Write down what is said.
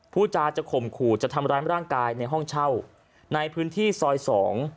ผู้จาจะข่มขู่จะทำร้ายร่างกายในห้องเช่าในพื้นที่ซอยสอง